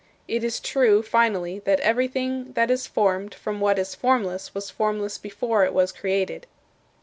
It is true, finally, that everything that is formed from what is formless was formless before it was formed.